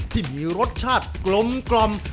ที่มีรสชาติกลม